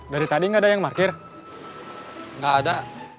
dari tadi nggak ada yang market enggak ada